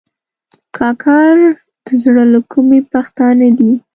کاکړ د زړه له کومي پښتانه دي.